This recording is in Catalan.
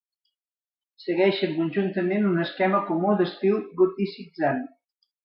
Segueixen conjuntament un esquema comú d'estil goticitzant.